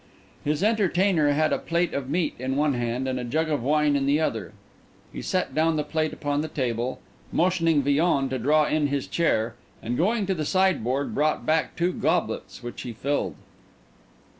His entertainer had a plate of meat in one hand and a jug of wine in the other. He set down the plate upon the table, motioning Villon to draw in his chair, and going to the sideboard, brought back two goblets, which he filled.